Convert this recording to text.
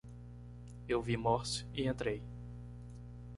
Eu vi Morse e entrei.